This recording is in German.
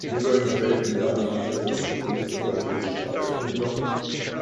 In seinen späten Jahren ließ er sich am Fuße der französischen Alpen nieder.